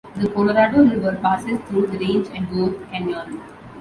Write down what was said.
The Colorado River passes through the range at Gore Canyon.